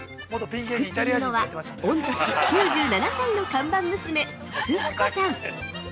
作っているのは御年９６歳の看板娘、スズ子さん！